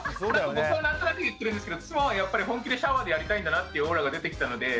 僕は何となく言ってるんですけど妻はやっぱり本気でシャワーでやりたいんだなっていうオーラが出てきたので。